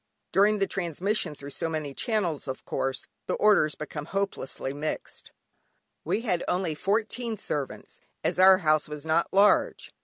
During the transmission through so many channels, of course the orders become hopelessly mixed. We had only fourteen servants, as our house was not large!